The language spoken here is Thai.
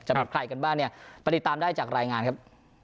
จะเป็นใครกันบ้างตามได้จากรายงานครับ